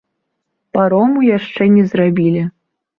Парому яшчэ не зрабілі.